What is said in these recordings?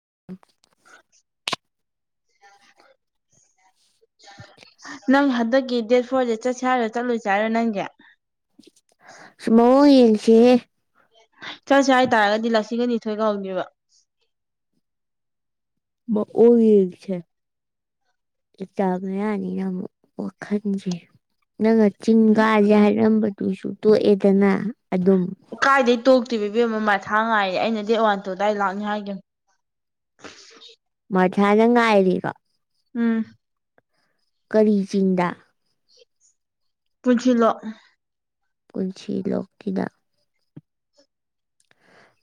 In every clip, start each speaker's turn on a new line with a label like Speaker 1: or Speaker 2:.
Speaker 1: [unintelligible]
Speaker 2: [unintelligible] ꯅꯪ ꯍꯟꯗꯛꯀꯤ ꯗꯦꯠ ꯐꯣꯔꯁꯦ ꯆꯠꯁ ꯍꯥꯏꯔꯣ ꯆꯠꯂꯨꯁꯦ ꯍꯥꯏꯔꯣ ꯅꯪꯁꯦ
Speaker 1: ꯃꯑꯣꯡ ꯌꯦꯡꯁꯤ
Speaker 2: ꯆꯠꯁꯤ ꯍꯥꯏꯇꯥꯔꯒꯗꯤ ꯂꯁꯤꯡꯒꯅꯤꯊꯣꯏꯒ ꯍꯧꯅꯦꯕ
Speaker 1: ꯑꯣ ꯏꯗꯕ ꯌꯥꯅꯤ ꯑꯩ ꯌꯥꯝ ꯋꯥꯈꯟꯁꯤ ꯅꯪꯉ ꯆꯤꯡꯒꯥꯥꯁꯦ ꯍꯥꯏꯔꯝꯕꯗꯨꯁꯨ ꯇꯣꯛꯑꯦꯗꯅ ꯑꯗꯨꯝ
Speaker 2: ꯀꯥꯏꯗꯩ ꯇꯣꯛꯇꯦ ꯑꯃꯥ ꯃꯊꯥꯥ ꯉꯥꯏꯔꯦ ꯑꯩꯅ ꯗꯦꯠ ꯋꯥꯟ ꯇꯨ ꯑꯗꯨꯏꯗ ꯂꯥꯛꯅꯤ ꯍꯥꯏꯒꯦ
Speaker 1: [unintelligible]
Speaker 2: ꯎꯝ
Speaker 1: ꯀꯔꯤ ꯆꯤꯟꯗꯥ
Speaker 2: ꯄꯨꯟꯁꯤꯂꯣꯛ
Speaker 1: ꯄꯨꯟꯁꯤ ꯂꯣꯛꯀꯤꯗ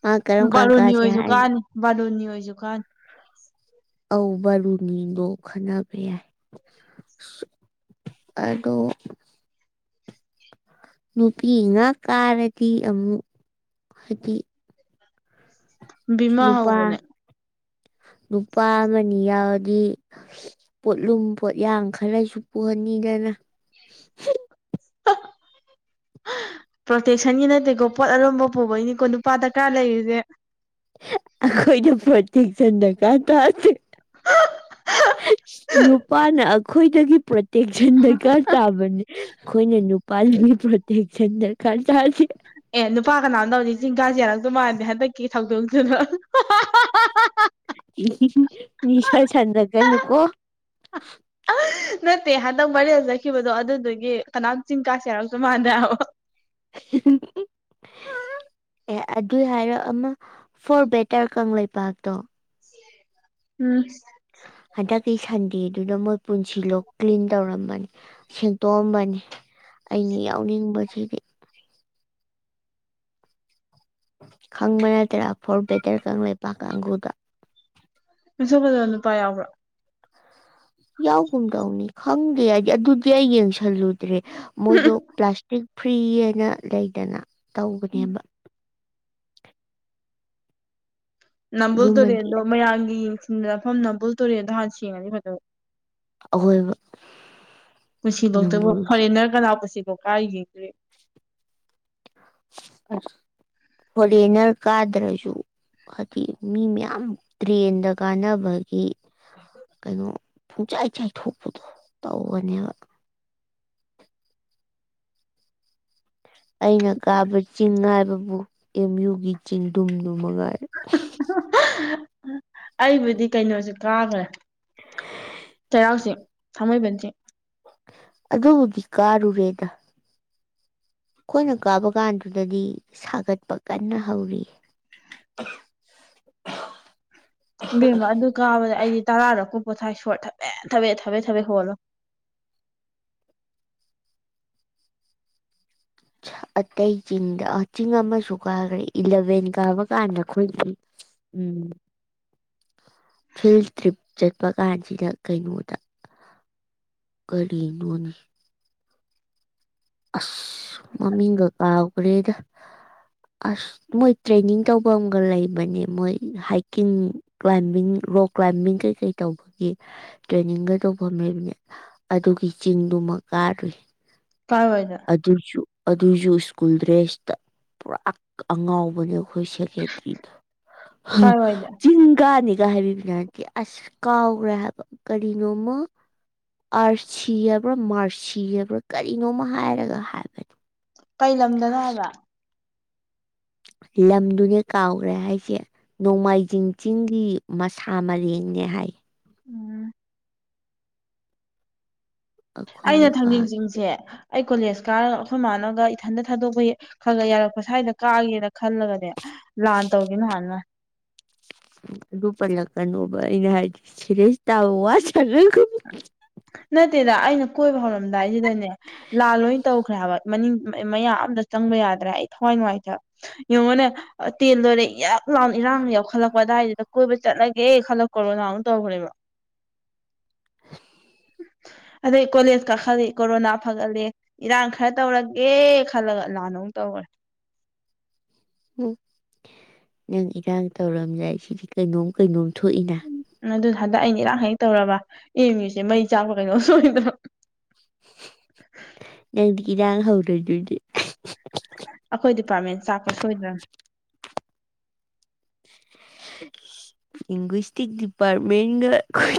Speaker 1: ꯃꯥ ꯀꯔꯝ ꯀꯥꯟ
Speaker 2: ꯕꯥꯔꯨꯅꯤ
Speaker 1: ꯀꯥꯁꯦ
Speaker 2: ꯑꯣꯏꯁꯨ
Speaker 1: ꯍꯥꯏꯅꯣ
Speaker 2: ꯀꯥꯅꯤ ꯕꯥꯔꯨꯅꯤ ꯑꯣꯏꯁꯨ ꯀꯥꯅꯤ
Speaker 1: ꯑꯧ ꯕꯥꯔꯨꯅꯤꯗꯣ ꯈꯟꯅꯕ ꯌꯥꯏ ꯑꯗꯣ ꯅꯨꯄꯤ ꯉꯥꯛ ꯀꯥꯔꯗꯤ ꯑꯃꯨꯛ ꯍꯥꯏꯗꯤ
Speaker 2: ꯕꯤꯃꯥ
Speaker 1: ꯅꯨꯄꯥ
Speaker 2: ꯍꯧꯕꯅꯦ
Speaker 1: ꯅꯨꯄꯥ ꯑꯃꯅꯤ ꯌꯥꯎꯔꯗꯤ ꯄꯣꯠꯂꯨꯝ ꯄꯣꯠꯌꯥꯡ ꯈꯔꯁꯨ ꯄꯨꯍꯟꯅꯤꯗ [unintelligible]
Speaker 2: [unintelligible] ꯄ꯭ꯔꯣꯇꯦꯛꯁꯟꯒꯤ ꯅꯠꯇꯦꯀꯣ ꯄꯣꯠ ꯑꯔꯨꯝꯕ ꯄꯨꯕꯒꯤꯅꯤꯀꯣ ꯅꯨꯄꯥꯗ ꯀꯔꯥ ꯂꯩꯔꯤꯁꯦ
Speaker 1: ꯑꯩꯈꯣꯏꯅ ꯄꯇꯦꯛꯆꯟ ꯗꯀꯥ ꯇꯗꯦ ꯅꯨꯄꯥꯅ ꯑꯩꯈꯣꯏꯗꯒꯤ ꯇꯦꯛꯁꯟ ꯗꯔꯀꯥꯔ ꯇꯥꯕꯅꯦ ꯑꯩꯈꯣꯏꯅ ꯅꯨꯄꯥꯒꯤ ꯄ꯭ꯔꯣꯇꯦꯛꯁꯟ ꯗꯔꯀꯥꯔ ꯇꯥꯗꯦ꯫
Speaker 2: ꯑꯦ ꯅꯨꯄꯥ ꯀꯅꯥꯝꯇ ꯍꯧꯖꯤꯛ ꯆꯤꯡ ꯀꯥꯖꯤ ꯌꯥꯔꯛꯇꯧ ꯃꯥꯟꯗꯦ ꯍꯟꯗꯛꯀꯤ ꯊꯧꯗꯣꯛꯇꯨꯗ꯫ [unintelligible]
Speaker 1: [unintelligible] ꯅꯤꯁꯥ ꯁꯥꯟꯅꯒꯅꯨꯀꯣ꯫
Speaker 2: ꯅꯠꯇꯦ ꯍꯟꯗꯛ ꯐꯥꯏꯔꯤꯜ ꯆꯠꯈꯤꯕꯗꯣ ꯑꯗꯨꯗꯨꯒꯤ ꯀꯅꯥꯝ ꯆꯤꯡ ꯀꯥꯥꯁꯦ ꯌꯥꯔꯛꯇꯧ ꯃꯥꯟꯗꯦ ꯍꯥꯏꯕ꯫
Speaker 1: ꯑꯦ ꯑꯗꯨꯏ ꯍꯥꯏꯔ ꯑꯃ ꯐꯣꯔ ꯕꯦꯇꯔ ꯀꯪꯂꯩꯄꯥꯛꯇꯣ
Speaker 2: ꯎꯝ꯫
Speaker 1: ꯍꯟꯗꯛꯀꯤ ꯁꯟꯗꯦꯗꯨꯗ ꯃꯣꯏ ꯄꯨꯟꯁꯤꯂꯣꯛ ꯀ꯭ꯂꯤꯟ ꯇꯧꯔꯝꯕꯅꯤ ꯁꯦꯡꯇꯣꯛꯑꯝꯕꯅꯤ꯫ ꯑꯩꯅ ꯌꯥꯎꯅꯤꯡꯕꯖꯤꯗꯤ꯫ ꯈꯪꯕ ꯅꯠꯇ꯭ꯔꯥ ꯐꯣꯔ ꯕꯦꯇꯔ ꯀꯪꯂꯩꯄꯥꯛ ꯀꯥꯡꯒꯨꯗꯣ꯫
Speaker 2: ꯃꯁꯛꯐꯖꯕ ꯅꯨꯄꯥ ꯌꯥꯎꯕ꯭ꯔꯥ꯫
Speaker 1: ꯌꯥꯎꯒꯨꯝ ꯇꯧꯅꯤ ꯈꯪꯗꯦ ꯑꯩꯗꯤ ꯑꯗꯨꯗꯤ ꯑꯩ ꯌꯦꯡꯁꯜꯂꯨ ꯗ꯭ꯔꯦ ꯃꯣꯏꯗꯣ ꯄ꯭ꯂꯥꯁꯇꯤꯛ ꯐ꯭ꯔꯤ ꯍꯥꯏꯅ ꯂꯩꯗꯅ ꯇꯧꯕꯅꯦꯕ꯫ [inaudible]
Speaker 2: ꯅꯝꯕꯨꯜ
Speaker 1: ꯑꯗꯨꯃꯗꯤ
Speaker 2: ꯇꯨꯔꯦꯜꯗꯣ ꯃꯌꯥꯝꯒꯤ ꯌꯦꯡꯁꯤꯟꯅꯐꯝ ꯅꯝꯕꯨꯜ ꯇꯨꯔꯦꯜꯗꯣ ꯍꯥꯟꯅ ꯁꯦꯡꯉꯗꯤ ꯐꯗꯧꯕ꯫
Speaker 1: ꯑꯍꯣꯏꯕ꯫
Speaker 2: ꯄꯨꯟꯁꯤꯂꯣꯛꯇꯕꯨ ꯐꯣꯔꯦꯟꯅꯔ ꯀꯅꯥꯕꯨ ꯄꯨꯟꯁꯤ ꯂꯣꯛ ꯀꯥꯔꯒ ꯌꯦꯡꯗꯣꯔꯤ
Speaker 1: ꯑꯁ ꯐꯣꯔꯦꯅꯔ ꯀꯥꯗ꯭ꯔꯁꯨ ꯈꯗꯤ ꯃꯤ ꯃꯌꯥꯝ ꯇ꯭ꯔꯦꯟꯗ ꯀꯥꯟꯅꯕꯒꯤ꯫ ꯀꯩꯅꯣ ꯄꯨꯡꯆꯥꯏ ꯆꯥꯏꯊꯣꯛꯄꯗꯣ ꯇꯧꯕꯅꯦꯕ꯫ ꯑꯩꯅ ꯀꯥꯕ ꯆꯤꯡ ꯍꯥꯏꯕꯕꯨ ꯑꯦꯝ ꯌꯨꯒꯤ ꯆꯤꯡꯗꯨꯝꯗꯨ ꯃꯉꯥꯏꯔꯦ꯫
Speaker 2: ꯑꯩꯕꯨꯗꯤ ꯀꯩꯅꯣꯖꯨ ꯀꯥꯒꯔꯦ꯫ ꯆꯦꯔꯥꯎ ꯆꯤꯡ ꯊꯥꯡꯃꯩꯕꯟ ꯆꯤꯡ꯫
Speaker 1: ꯑꯗꯨꯕꯨꯗꯤ ꯀꯥꯔꯨꯔꯦꯗ꯫ ꯈꯣꯏꯅ ꯀꯥꯕ ꯀꯥꯟꯗꯨꯗꯗꯤ ꯁꯥꯒꯠꯄ ꯀꯟꯅ ꯍꯧꯔꯤ꯫ [unintelligible]
Speaker 2: ꯏꯕꯦꯝꯃ ꯑꯗꯨ ꯀꯥꯕꯗ ꯑꯩꯗꯤ ꯇꯥꯔꯥꯔꯛꯄꯨ ꯄꯣꯊꯥꯏ ꯁꯣꯔ ꯊꯕꯦꯠ ꯊꯕꯦꯠ ꯊꯕꯦꯠ ꯊꯕꯦꯠ ꯍꯣꯜꯂ [inaudible]
Speaker 1: ꯑꯇꯩ ꯆꯤꯡꯗ ꯆꯤꯡ ꯑꯃꯁꯨ ꯀꯥꯒꯔꯦ ꯏꯂꯚꯦꯟ ꯀꯥꯕ ꯀꯥꯟꯗ ꯑꯩꯈꯣꯏ [unintelligible] ꯎꯝ꯫ ꯐꯤꯜ ꯇ꯭ꯔꯤꯞ ꯆꯠꯄ ꯀꯥꯟꯖꯤꯗ ꯀꯩꯅꯣꯗ꯫ ꯀꯔꯤꯅꯣꯅꯦ꯫ ꯑꯁ ꯃꯃꯤꯡꯒ ꯀꯥꯎꯒꯔꯦꯗ꯫ ꯑꯁ ꯃꯣꯏ ꯇ꯭ꯔꯦꯅꯤꯡ ꯇꯧꯕꯝꯒ ꯂꯩꯕꯅꯦ ꯃꯣꯏ ꯍꯥꯏꯀꯤꯡ ꯀ꯭ꯂꯥꯏꯝꯕꯤꯡ ꯔꯣꯛ ꯀ꯭ꯂꯥꯏꯝꯕꯤꯡ ꯀꯩꯀꯩ ꯇꯧꯕꯒꯤ ꯇ꯭ꯔꯦꯅꯤꯡꯒ ꯇꯧꯐꯝ ꯂꯩꯕꯅꯦ ꯑꯗꯨꯒꯤ ꯆꯤꯡꯗꯨ ꯃ ꯀꯥꯔꯨꯏ꯫
Speaker 2: ꯀꯥꯏꯋꯥꯏꯗ
Speaker 1: ꯑꯗꯨꯖꯨ ꯑꯗꯨꯖꯨ ꯁ꯭ꯀꯨꯜ ꯗ꯭ꯔꯦꯁꯇ ꯄꯨꯔꯥ ꯑꯉꯥꯎꯕꯅꯦ ꯑꯩꯈꯣꯏ ꯁꯦ ꯍꯦꯇꯔꯤꯗꯣ
Speaker 2: ꯀꯥꯏꯋꯥꯏꯗ
Speaker 1: ꯆꯤꯡꯀꯥꯅꯦ [unintelligible] ꯑꯥꯁ ꯀꯥꯎꯒꯔꯦ ꯍꯥꯏꯕ ꯀꯔꯤꯅꯣꯃ ꯑꯥꯔꯁꯤ ꯍꯥꯏꯕ꯭ꯔ ꯃꯥꯔꯁꯤ ꯍꯥꯏꯕ꯭ꯔꯥ ꯀꯔꯤꯅꯣꯃ ꯍꯥꯏꯔꯒ ꯍꯥꯏꯕꯅꯤ꯫
Speaker 2: ꯀꯩ ꯂꯝꯗꯅꯣ ꯍꯥꯏꯕ꯫
Speaker 1: ꯂꯝꯗꯨꯅꯦ ꯀꯥꯎꯒꯔꯦ ꯍꯥꯏꯖꯦ ꯅꯣꯡꯃꯥꯏꯖꯤꯡ ꯆꯤꯡꯒꯤ ꯃꯁꯥ ꯃꯔꯦꯡ ꯅꯦ ꯍꯥꯏ꯫
Speaker 2: ꯎꯝ ꯑꯩꯅ
Speaker 1: ꯑꯩꯈꯣꯏꯅ ꯀꯥꯈꯤ
Speaker 2: ꯊꯪꯖꯤꯡꯆꯤꯡꯁꯦ ꯑꯩ ꯀꯣꯂꯦꯖ ꯀꯥꯔ ꯑꯩꯈꯣꯏ ꯃꯥꯟꯅꯒ ꯏꯊꯟꯇ ꯊꯥꯗꯣꯛꯄ ꯈꯒ ꯌꯥꯔꯛꯄ ꯁ꯭ꯋꯥꯏꯗ ꯀꯥꯒꯦꯅ ꯈꯜꯂꯒꯅꯦ ꯂꯥꯟ ꯇꯧꯒꯤꯝꯅ ꯍꯥꯟꯃꯥꯟ꯫ [inaudible]
Speaker 1: ꯑꯗꯨ ꯄꯜꯂꯛꯀꯅꯣꯕ ꯑꯩꯅ ꯍꯥꯏꯗꯤ ꯁꯦꯔꯦꯁ ꯇꯥꯕ ꯋꯥ ꯁꯥꯅꯒꯨꯝꯖꯤ꯫
Speaker 2: ꯅꯠꯇꯦꯗ ꯑꯩꯅ ꯀꯣꯏꯕ ꯍꯧꯔꯝꯗꯥꯏꯖꯤꯗꯅꯦ ꯂꯥꯟ ꯂꯣꯏ ꯇꯧꯒ꯭ꯔꯦ ꯍꯥꯏꯕ ꯃꯅꯤꯡ ꯃ ꯃꯌꯥꯝ ꯑꯝꯗ ꯆꯪꯕ ꯌꯥꯗ꯭ꯔ ꯑꯩ ꯊꯋꯥꯏ ꯅꯨꯡꯉꯥꯏꯇ ꯌꯦꯡꯉꯣꯅꯦ ꯇꯦꯜ ꯂꯣꯏꯔꯦ ꯌꯛ ꯂꯥꯎꯅ ꯏꯔꯥꯡ ꯌꯥꯎꯈꯠꯂꯛꯄ ꯀꯗꯥꯏꯗꯨꯗ ꯀꯣꯏꯕ ꯆꯠꯂꯒꯦ ꯈꯜꯂꯛꯀꯔꯣ ꯅꯅꯥꯎ ꯇꯧꯈ꯭ꯔꯦꯕ [unintelligible] ꯑꯗꯩ ꯀꯣꯂꯦꯖ ꯀꯥꯈꯠꯂꯤ ꯀꯣꯔꯣꯅꯥ ꯐꯒꯠꯂꯦ ꯏꯔꯥꯡ ꯈꯔ ꯇꯧꯔꯒꯦ ꯈꯜꯂꯒ ꯂꯥꯟ ꯃꯨꯛ ꯇꯧꯒꯔꯦ [inaudible]
Speaker 1: ꯎꯝ ꯅꯪ ꯏꯔꯥꯡ ꯇꯧꯔꯝꯗꯥꯏ ꯁꯤꯗꯤ ꯀꯩꯅꯣꯝ ꯀꯩꯅꯣꯝ ꯊꯣꯛꯏꯅ
Speaker 2: ꯑꯗꯨ ꯍꯟꯗꯛ ꯑꯩꯅ ꯏꯔꯥꯡ ꯍꯦꯛ ꯇꯧꯔꯕ ꯑꯦꯝ ꯌꯨ ꯁꯦ ꯃꯩ ꯆꯥꯛꯄ ꯀꯩꯅꯣꯝ ꯁꯣꯏꯗ꯭ꯔꯝ
Speaker 1: ꯅꯪꯗꯤ ꯏꯔꯥꯡ ꯍꯧꯔꯣꯏꯗꯣꯏꯅꯦ
Speaker 2: ꯑꯩꯈꯣꯏ ꯗꯤꯄꯥꯔꯠꯃꯦꯟ ꯆꯥꯛꯄ꯭ꯔꯥ ꯁꯣꯏꯗ꯭ꯔꯕ
Speaker 1: ꯂꯤꯡꯒꯨꯁꯇꯤꯛ ꯗꯤꯄꯥꯔꯃꯦꯟꯒ ꯈꯣꯏ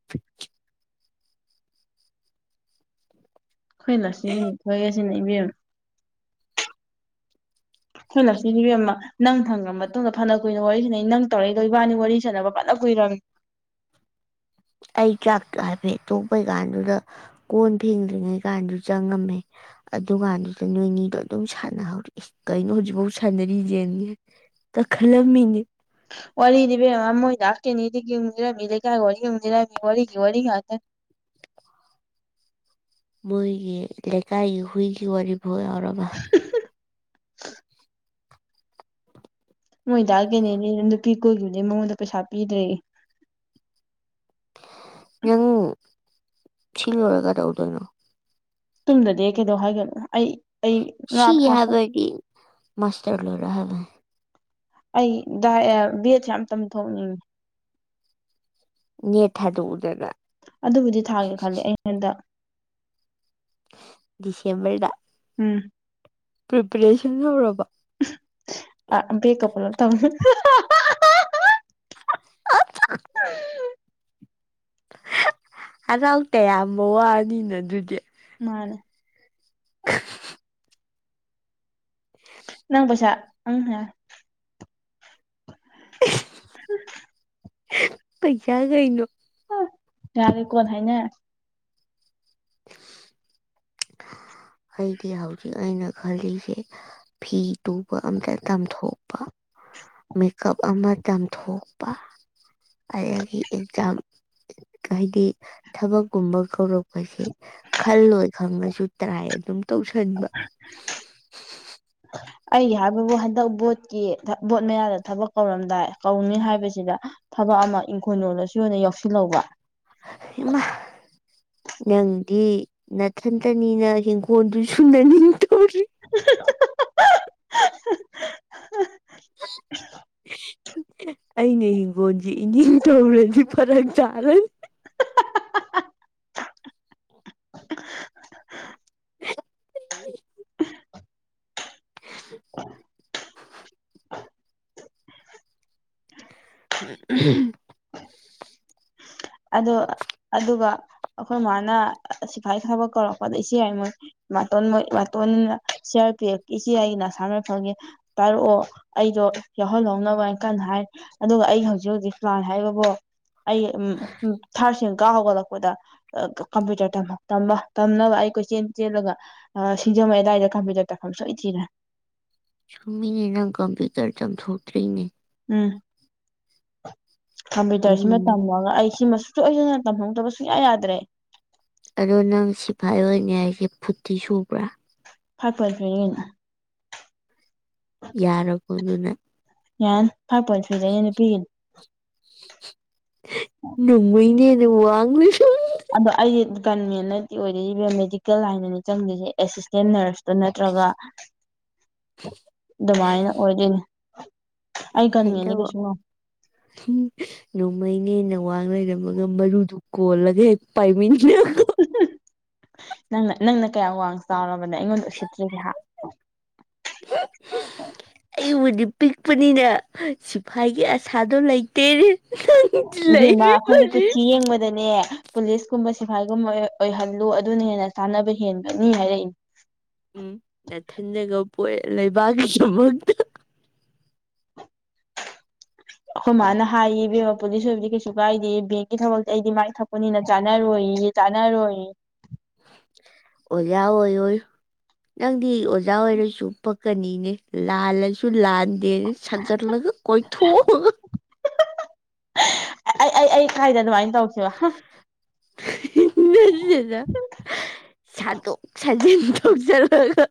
Speaker 2: [inaudible] ꯑꯩꯈꯣꯏ ꯂꯁꯤꯗꯤ [unintelligible] ꯏꯕꯦꯝꯃꯥ ꯑꯩꯈꯣꯏ ꯂꯛꯁꯃꯤꯗꯤ ꯏꯕꯦꯝꯃꯥ ꯅꯪ ꯊꯝꯈ꯭ꯔ ꯃꯇꯨꯡꯗ ꯐꯅ ꯀꯨꯏꯅ ꯋꯥꯔꯤ ꯁꯥꯟꯅꯩ ꯅꯪ ꯇꯧꯔꯛꯏꯗꯣ ꯏꯕꯥꯅꯤ ꯋꯥꯔꯤ ꯁꯥꯟꯅꯕ ꯐꯅ ꯐꯥꯅ ꯀꯨꯏꯔꯝꯅꯤ
Speaker 1: ꯑꯩ ꯆꯥꯛꯇꯣ ꯍꯥꯏꯐꯦꯠ ꯇꯣꯛꯄꯩ ꯀꯥꯟꯗꯨꯗ ꯀꯣꯟ ꯊꯦꯡꯗ꯭ꯔꯤꯉꯩ ꯀꯥꯟꯗꯨ ꯆꯪꯉꯝꯃꯦ ꯑꯗꯨꯀꯥꯟꯗꯨꯗ ꯅꯣꯏꯅꯤꯗꯣ ꯑꯗꯨꯝ ꯁꯥꯟꯅꯍꯧꯔꯤ ꯀꯩꯅꯣ ꯍꯧꯖꯤꯛꯐꯥꯎ ꯁꯥꯟꯅꯔꯤꯖꯦꯅ ꯇꯥ ꯈꯜꯂꯝ ꯃꯤꯅꯦ
Speaker 2: [unintelligible] ꯋꯥꯔꯤꯗꯤ ꯏꯕꯦꯝꯃꯥ ꯃꯣꯏ ꯗꯥ ꯀꯦꯅꯦꯗꯤꯒꯤ ꯃꯨꯛ ꯂꯤꯔꯝꯃꯤ ꯂꯩꯀꯥꯏ ꯋꯥꯔꯤ ꯑꯃꯨꯛ ꯂꯤꯔꯝꯃꯤ ꯋꯥꯔꯤ ꯋꯥꯔꯤ ꯉꯥꯇꯅꯤ [inaudible]
Speaker 1: ꯃꯣꯏꯒꯤ ꯂꯩꯀꯥꯏꯒꯤ ꯍꯨꯏꯒꯤ ꯋꯥꯔꯤꯕꯣꯛ ꯌꯥꯎꯔꯕ
Speaker 2: ꯃꯣꯏ ꯗꯥ ꯀꯦꯅꯦꯗꯤ ꯅ ꯅꯨꯄꯤ ꯀꯣꯏꯈꯤꯕꯗꯩ ꯃꯉꯣꯟꯗ ꯄꯩꯁꯥ ꯄꯤꯗ꯭ꯔꯦꯌꯦ
Speaker 1: ꯅꯪ ꯁꯤ ꯂꯣꯏꯔ ꯀꯩꯗꯧ ꯗꯣꯏꯅꯣ
Speaker 2: ꯇꯨꯝꯗꯗꯤ ꯑꯩ ꯀꯩꯗꯧ ꯍꯥꯏꯒꯅꯨ ꯑꯩ ꯑꯩ ꯉꯥ
Speaker 1: ꯁꯤ
Speaker 2: ꯐꯥꯆꯠ
Speaker 1: ꯍꯥꯏꯕꯗꯤ ꯃꯥꯁꯇꯔ ꯂꯣꯏꯔ ꯍꯥꯏꯕꯅꯤ
Speaker 2: ꯑꯩ ꯗ ꯑꯦ ꯕꯤ ꯑꯦꯠ ꯁꯦ ꯌꯥꯝ ꯇꯝ ꯊꯣꯛꯅꯤꯡꯉꯤ
Speaker 1: ꯅꯦꯠ ꯊꯥꯗꯨꯛꯎ
Speaker 2: ꯑꯗꯨꯕꯨꯗꯤ ꯊꯥꯒꯦ ꯈꯜꯂꯦ ꯑꯩ ꯍꯟꯗꯛ
Speaker 1: ꯗꯤꯁꯦꯝꯕꯔꯗ
Speaker 2: ꯎꯝ
Speaker 1: ꯄ꯭ꯔꯤꯄꯦꯔꯦꯁꯟ ꯍꯧꯔꯕꯣ
Speaker 2: ꯑ ꯕꯦꯛꯀ ꯄꯨꯂꯞ ꯇꯧ
Speaker 1: [unintelligible]
Speaker 2: [unintelligible]
Speaker 1: ꯍꯔꯥꯎ ꯇꯌꯥꯝꯕ ꯋꯥꯅꯤꯅ ꯑꯗꯨꯗꯤ
Speaker 2: ꯃꯥꯟꯅꯦ ꯅꯪ ꯄꯩꯁꯥ ꯑꯝ ꯍꯌꯥ
Speaker 1: ꯄꯩꯁꯥ ꯀꯩꯅꯣ
Speaker 2: ꯌꯥꯔꯦ ꯀꯣꯟꯅ ꯍꯥꯏꯅꯔꯁꯤ
Speaker 1: ꯑꯩꯗꯤ ꯍꯧꯖꯤꯛ ꯑꯩꯅ ꯈꯜꯂꯤꯁꯦ ꯐꯤ ꯇꯨꯕ ꯑꯝꯇ ꯇꯝꯊꯣꯛꯄ ꯃꯦꯛ ꯑꯞ ꯑꯃ ꯇꯝꯊꯣꯛꯄ ꯑꯩꯗꯒꯤ ꯑꯦꯛꯖꯥꯝ ꯍꯥꯏꯗꯤ ꯊꯕꯛꯀꯨꯝꯕ ꯀꯧꯔꯛ ꯄꯁꯦ ꯈꯜꯂꯣꯏ ꯈꯪꯉꯁꯨ ꯇ꯭ꯔꯥꯏ ꯑꯗꯨꯝ ꯇꯧꯁꯟꯕ
Speaker 2: ꯑꯩꯒꯤ ꯍꯥꯏꯕꯕꯨ ꯍꯟꯗꯛ ꯕꯣꯠꯀꯤ ꯕꯣꯠ ꯃꯌꯥꯗ ꯊꯕꯛ ꯀꯧꯔꯝꯗꯥꯏ ꯀꯧꯅꯤ ꯍꯥꯏꯕꯁꯤꯗ ꯊꯕꯛ ꯑꯃ ꯏꯪꯈꯣꯜ ꯂꯣꯜꯂꯁꯨ ꯌꯣꯟꯅ ꯌꯥꯎꯁꯤꯜꯍꯧꯕ
Speaker 1: ꯗꯤ ꯅꯊꯟꯇꯅꯤꯅ ꯍꯤꯡꯈꯣꯜꯗꯨꯁꯨ ꯅꯅꯤꯡ ꯇꯧꯔꯤ [unintelligible] ꯑꯩꯅ ꯍꯤꯡꯒꯣꯜꯁꯤ ꯏꯅꯤꯡ ꯊꯧꯔꯗꯤ ꯐꯔꯛ ꯇꯥꯔꯅꯤ
Speaker 2: [unintelligible]
Speaker 1: [unintelligible] [unintelligible] [unintelligible]
Speaker 2: ꯑꯗꯨ ꯑꯗꯨꯒ ꯑꯩꯈꯣꯏ ꯃꯥꯅ ꯁꯤꯐꯥꯏ ꯊꯕꯛ ꯀꯧꯔꯛꯄꯗ ꯏꯆꯦꯌꯥꯏꯃ ꯃꯇꯣꯟ ꯃꯇꯣꯟꯅ ꯁꯤ ꯑꯥꯔ ꯄꯤ ꯑꯦꯐꯀꯤ ꯆꯦ ꯑꯩꯅ ꯑꯁꯥꯝ ꯔꯥꯏꯐꯜꯒꯤ ꯇꯥꯔꯛꯑꯣ ꯑꯩꯗꯣ ꯌꯥꯎꯍꯜꯍꯧꯅꯕ ꯍꯥꯏꯅ ꯀꯟꯅ ꯍꯥꯏ ꯑꯗꯨꯒ ꯑꯩ ꯍꯧꯖꯤꯛ ꯍꯧꯖꯤꯛ ꯐꯥꯥꯟ ꯍꯥꯏꯕꯕꯨ ꯑꯩ ꯎꯝ ꯊꯥꯔꯁꯤ ꯀ ꯍꯧꯒꯠꯂꯛꯄꯗ ꯀꯝꯄ꯭ꯌꯨꯇꯔ ꯇꯝꯅꯕ ꯑꯩ ꯀꯣꯏꯆꯦꯟ ꯆꯦꯜꯂꯒ ꯑꯥ ꯀ ꯑꯗꯨꯗꯥꯏꯗ ꯀꯝꯄ꯭ꯌꯨꯇꯔ ꯇꯛꯐꯝ ꯁꯣꯏ ꯊꯤꯔꯦ
Speaker 1: ꯁꯃꯤꯅꯤ ꯅꯪ ꯀꯝꯄꯨꯇꯔꯗ ꯇꯝꯊꯣꯛꯇꯣꯏꯅꯤ
Speaker 2: ꯎꯝ ꯀꯝꯄ꯭ꯌꯨꯇꯔꯁꯤꯃ
Speaker 1: ꯎꯝ
Speaker 2: ꯇꯝꯃꯒ ꯑꯩ ꯁꯤꯃꯁꯨ ꯑꯩꯗꯅ ꯇꯝꯍꯧꯗꯕ ꯁꯨꯡꯌꯥ ꯌꯥꯗ꯭ꯔꯦ
Speaker 1: ꯑꯗꯣ ꯅꯪ ꯁꯤꯐꯥꯏ ꯑꯣꯏꯅꯤ ꯍꯥꯏꯁꯦ ꯐꯨꯠꯇꯤ ꯁꯨꯕ꯭ꯔꯥ
Speaker 2: ꯐꯥꯛꯄꯠ ꯊꯔꯤꯅꯤ ꯀꯩꯅꯣ
Speaker 1: ꯌꯥꯔꯕꯣ ꯗꯨꯅꯥ
Speaker 2: ꯌꯥꯟꯅꯤ ꯐ꯭ꯥꯏꯞ ꯄꯣꯏꯟ ꯊꯔꯤ ꯅꯦ ꯅꯨꯄꯤꯒꯤꯅꯤ
Speaker 1: ꯅꯣꯡꯃꯩꯅ ꯍꯦꯟꯅ ꯋꯥꯡ ꯂꯩꯔꯝꯃꯦ
Speaker 2: ꯑꯗꯣ ꯑꯩ ꯀꯟꯦꯅꯠꯇꯗꯤ ꯑꯣꯏꯗꯣꯏꯔꯤꯕ ꯃꯦꯗꯤꯀꯦꯜ ꯂꯥꯏꯟꯗꯅꯤ ꯆꯪꯗꯣꯏꯁꯦ ꯑꯦꯁꯤꯁꯇꯦꯟ ꯅꯔꯁꯇꯨ ꯅꯠꯇ꯭ꯔꯒ ꯑꯗꯨꯃꯥꯏꯅ ꯑꯣꯏꯗꯣꯏꯅꯦ ꯑꯩ ꯀꯟꯉꯦꯗꯤ ꯀꯩꯁꯨ
Speaker 1: ꯅꯣꯡꯃꯩꯅꯦ ꯅꯋꯥꯡ ꯂꯩꯔꯝꯃꯒ ꯃꯔꯨꯗꯨ ꯀꯣꯜꯂꯒꯦ ꯄꯥꯏꯃꯤ
Speaker 2: ꯅꯪꯅ ꯅꯪꯅ ꯀꯌꯥꯝ ꯋꯥꯡ ꯆꯥꯎꯔꯕ ꯅꯦ ꯑꯩꯉꯣꯟꯗ ꯎꯁꯤꯠꯇ꯭ꯔꯤꯅꯣ ꯍꯥ
Speaker 1: ꯄꯤꯛꯄꯅꯤꯅꯦ ꯁꯤꯐꯥꯏꯒꯤ ꯑꯁꯥꯗꯣ ꯂꯩ
Speaker 2: ꯏꯕꯦꯝꯃ ꯑꯩꯈꯣꯏꯒꯤ ꯀꯨꯠꯊꯤ ꯌꯦꯡꯕꯗꯅꯦ ꯄꯨꯂꯤꯁꯀꯨꯝꯕ ꯁꯤꯐꯥꯏꯒꯨꯝꯕ ꯑꯣꯏꯍꯜꯂꯨ ꯑꯗꯨꯅ ꯍꯦꯟꯅ ꯆꯥꯟꯅꯕ ꯍꯦꯟꯒꯅꯤ ꯍꯥꯏꯔꯛꯏ
Speaker 1: ꯎꯝ ꯅꯥꯊꯟꯗꯒ ꯄꯣꯛꯑꯦ ꯂꯩꯕꯥꯛꯀꯤꯁꯨꯃꯛꯇ
Speaker 2: [inaudible] ꯑꯩꯈꯣꯏ ꯃꯥꯅ ꯍꯥꯏꯌꯦ ꯏꯕꯦꯝꯕꯥꯄꯨꯗꯤ ꯁꯣꯏꯕꯗꯤ ꯀꯩꯁꯨ ꯀꯥꯏꯗꯦ ꯕꯦꯡꯀꯤ ꯊꯕꯛꯇꯤ ꯑꯩꯗꯤ ꯃꯥꯏ ꯊꯛꯄꯅꯤꯅ ꯆꯥꯅꯔꯣꯏꯏ ꯆꯅꯔꯣꯏ
Speaker 1: ꯑꯣ ꯌꯥ ꯑꯣꯏꯣꯌꯣꯌꯣ ꯅꯪꯗꯤ ꯑꯣꯖꯥ ꯑꯣꯏꯔꯁꯨ ꯄꯛꯀꯅꯤꯅꯦ ꯂꯥꯜꯂꯁꯨ ꯂꯥꯟꯗꯦꯅ ꯁꯟꯖꯠꯂꯒ ꯀꯣꯏꯊꯣꯒ
Speaker 2: ꯑꯩ ꯑꯩ ꯑꯩ ꯀꯥꯏꯗ ꯑꯗꯨꯃꯥꯏꯅ ꯇꯧꯈꯤꯕꯈꯤꯕ
Speaker 1: ꯗ ꯁꯥꯠꯇꯣꯛ ꯁꯥꯖꯤꯟ ꯇꯣꯛꯆꯔꯛꯒ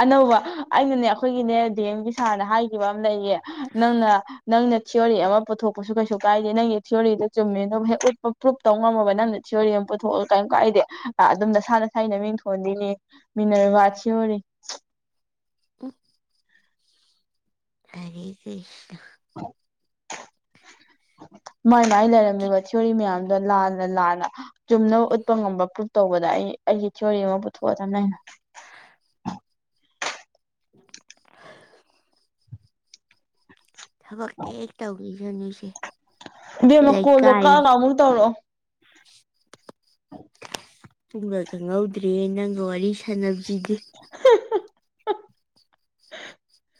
Speaker 2: ꯑꯅꯧꯕ ꯑꯩꯅꯅꯦ ꯑꯩꯈꯣꯏꯒꯤꯅꯦ ꯗꯤ ꯑꯦꯝꯒꯤ ꯁꯥꯔꯅ ꯍꯥꯏꯈꯤꯕ ꯑꯃ ꯂꯩꯌꯦ ꯅꯪꯅ ꯅꯪꯅ ꯊꯤꯌꯣꯔꯤ ꯑꯃ ꯄꯨꯊꯣꯛꯄꯁꯨ ꯀꯩꯁꯨ ꯀꯥꯏꯗꯦ ꯅꯪꯒꯤ ꯊꯤꯑꯣꯔꯤꯗꯨ ꯆꯨꯝꯃꯦ ꯑꯗꯨꯕꯨ ꯍꯦꯛ ꯎꯠꯄ ꯄ꯭ꯔꯨꯞ ꯇꯧ ꯉꯝꯃꯕ ꯅꯪꯅ ꯊꯤꯑꯣꯔꯤ ꯄꯨꯊꯣꯛ ꯀꯩꯝ ꯀꯥꯏꯗꯦ ꯑꯗꯨꯝ ꯅꯁꯥ ꯅ ꯁꯥꯏꯅ ꯃꯤꯡ ꯊꯣꯟꯗꯣꯏꯅꯤ ꯃꯤꯅꯔꯦꯕ ꯊꯤ ꯌꯣꯔꯤ
Speaker 1: ꯎꯝ ꯍꯔꯦꯀꯔꯤꯁꯅꯥ
Speaker 2: [unintelligible] ꯃꯥꯏꯃꯥꯏ ꯂꯩꯔꯝꯃꯤꯕ ꯊꯤꯑꯣꯔꯤ ꯃꯌꯥꯝꯗꯣ ꯂꯥꯟꯅ ꯂꯥꯟꯅ ꯆꯨꯝꯅꯕ ꯎꯠꯄ ꯉꯝꯕ ꯄ꯭ꯔꯨꯚ ꯇꯧꯕꯗ ꯑꯩ ꯑꯩ ꯑꯩꯒꯤ ꯊꯤꯑꯣꯔꯤ ꯑꯃ ꯄꯨꯊꯣꯛꯑꯗꯅ ꯑꯩꯅ
Speaker 1: ꯊꯕꯛꯇ ꯍꯦꯛ ꯇꯧꯈꯤꯁꯅꯨꯁꯦ
Speaker 2: ꯏꯕꯦꯝꯃ ꯀꯣꯜꯗꯣ ꯀꯛꯒ ꯑꯃꯨꯛ ꯇꯧꯔꯣ
Speaker 1: ꯄꯨꯡꯒ ꯈꯪꯍꯧꯗ꯭ꯔꯦ ꯅꯪꯒ ꯋꯥꯔꯤ ꯁꯥꯟꯅꯕꯁꯤꯗꯤ
Speaker 2: [unintelligible] [inaudible]